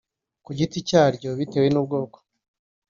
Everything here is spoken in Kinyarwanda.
ku giti cyaryo bitewe n’ubwoko